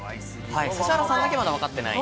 指原さんだけまだわかってない。